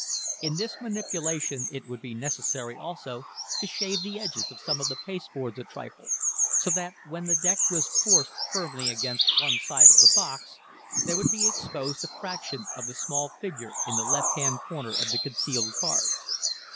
In this manipulation it would be necessary, also, to shave the edges of some of the pasteboards a trifle, so that, when the deck was forced firmly against one side of the box, there would be exposed a fraction of the small figure in the left hand corner of the concealed cards.